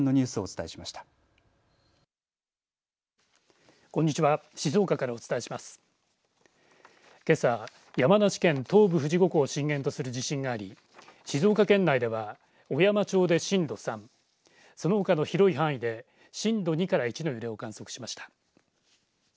けさ、山梨県東部富士五湖を震源とする地震があり静岡県内では、小山町で震度３そのほかの広い範囲で震度２から１の揺れを観測しました。